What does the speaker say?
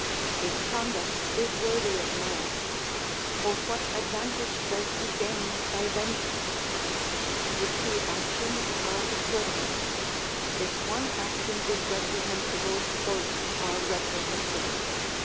This conduct is worthy of man : for what advantage does he gain by vengeance ? The two actions are equivalent ; if one action is reprehensible, both are reprehensible.